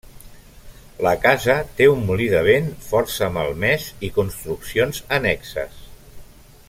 La casa té un molí de vent força malmès i construccions annexes.